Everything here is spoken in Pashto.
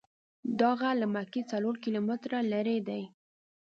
دا غر له مکې څلور کیلومتره لرې دی.